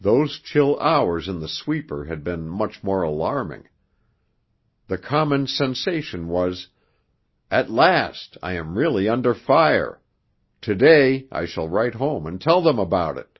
Those chill hours in the sweeper had been much more alarming. The common sensation was: 'At last I am really under fire; to day I shall write home and tell them about it.'